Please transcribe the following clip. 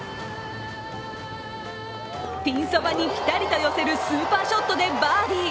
ピンそばにピタリと寄せるスーパーショットでバーディー。